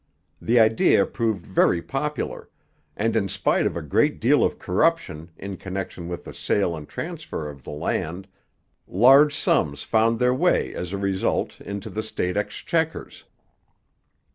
The idea proved very popular; and in spite of a great deal of corruption in connection with the sale and transfer of the land, large sums found their way as a result into the state exchequers.